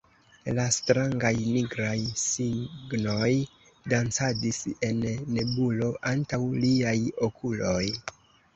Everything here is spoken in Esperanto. la strangaj nigraj signoj dancadis en nebulo antaŭ liaj okuloj.